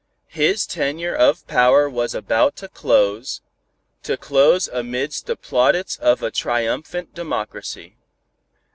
His tenure of power was about to close, to close amidst the plaudits of a triumphant democracy.